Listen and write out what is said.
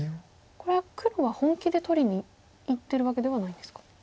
これは黒は本気で取りにいってるわけではないんですか。